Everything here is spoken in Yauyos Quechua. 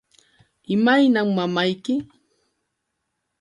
¿Imaynam mamayki?